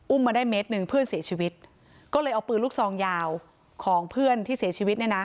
มาได้เมตรหนึ่งเพื่อนเสียชีวิตก็เลยเอาปืนลูกซองยาวของเพื่อนที่เสียชีวิตเนี่ยนะ